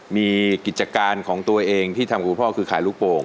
มีกิจการของตัวเองที่ทำกับคุณพ่อคือขายลูกโป่ง